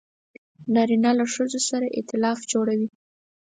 نارینه له ښځو سره ایتلاف جوړوي.